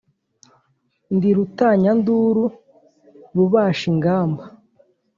Ndi Rutanyanduru Rubashingamba